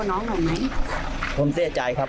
ห้องเซ่ใจครับ